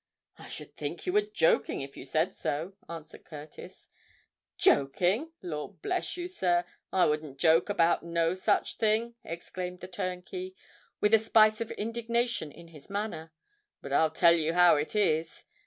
"I should think you were joking if you said so," answered Curtis. "Joking! Lord bless you, sir, I wouldn't joke about no such a thing," exclaimed the turnkey, with a spice of indignation in his manner. "But I'll tell you how it is.